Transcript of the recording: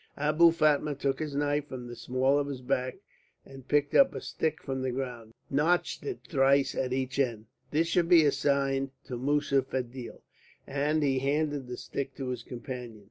Abou Fatma took his knife from the small of his back, and picking up a stick from the ground, notched it thrice at each end. "This shall be a sign to Moussa Fedil;" and he handed the stick to his companion.